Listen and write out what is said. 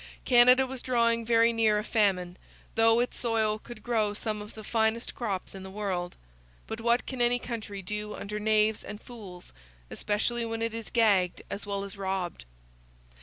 Canada was drawing very near a famine, though its soil could grow some of the finest crops in the world. But what can any country do under knaves and fools, especially when it is gagged as well as robbed?